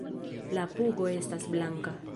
La pugo estas blanka.